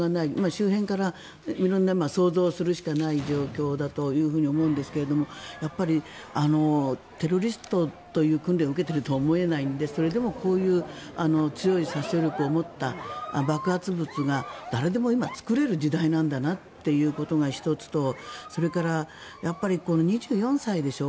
周辺から色んな想像するしかない状況だと思うんですがやっぱりテロリストという訓練を受けてるとは思えないのでそれでもこういう強い殺傷力を持った爆発物が誰でも今、作れる時代なんだなということが１つとそれから２４歳でしょ？